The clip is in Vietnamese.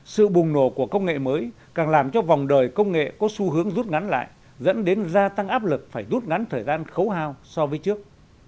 sự bùng nổ của công nghệ mới càng làm cho vòng đời công nghệ có xu hướng rút ngắn lại dẫn đến gia tăng áp lực phải rút ngắn thời gian khấu hao so với trước